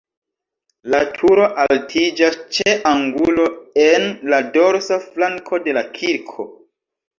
La turo altiĝas ĉe angulo en la dorsa flanko de la kirko.